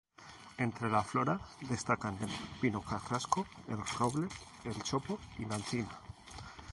Entre la flora destacan el pino carrasco, el roble, el chopo y la encina.